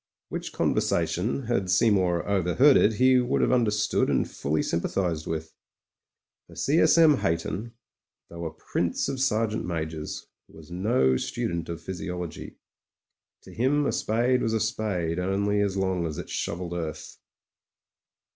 Which conversation, had Seymour overheard it, he would have understood and fully sympathised with. For C. S. M. Hayton, though a prince of sergeant majors, was no student of physiology. To him a spade was a spade only as long as it shovelled earth.